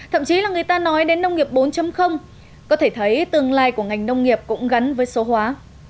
thậm chí là người ta nói đến nông nghiệp bốn có thể thấy tương lai của ngành nông nghiệp cũng gắn với số hóa